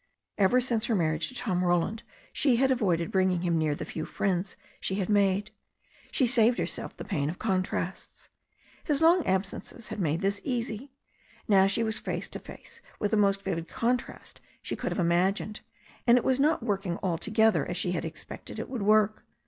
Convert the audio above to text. Ever since her marriage to Tom Roland she had avoided bringing him near the few friends she had made. She saved herself the pain of contrasts. His long absences had made this easy. Now she was face to face with the most vivid contrast she could have imagined. And it was not working altogether as she had expected it would work.